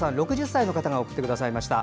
６０歳の方が送ってくださいました。